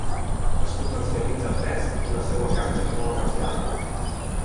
Es comercialitza fresc i la seua carn és molt apreciada.